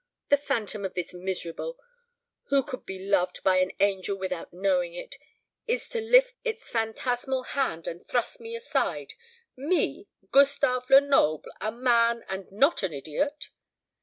The phantom of this miserable, who could be loved by an angel without knowing it, is to lift its phantasmal hand and thrust me aside me, Gustave Lenoble, a man, and not an idiot?